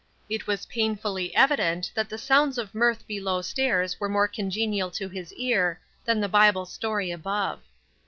It was painfully evident that the sounds of mirth below stairs were more congenial to his ear than the Bible story above.